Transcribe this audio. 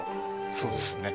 そうですね